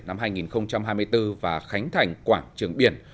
năm hai nghìn hai mươi bốn và khánh thành quảng trường biển